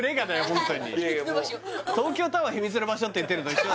ホントに東京タワー秘密の場所って言ってるのと一緒